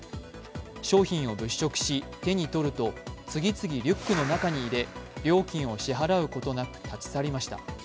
商品を物色し手に取ると次々リュックの中に入れ料金を支払うことなく立ち去りました。